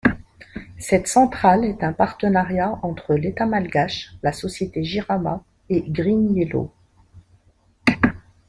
Cette centrale est un partenariat entre l'État malgache, la société Jirama et GreenYellow.